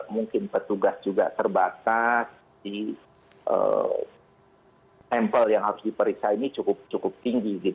mungkin petugas juga terbatas di sampel yang harus diperiksa ini cukup tinggi